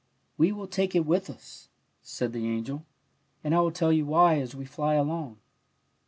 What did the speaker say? *^ We will take it with us," said the angel, '' and I will tell you why as we fly along."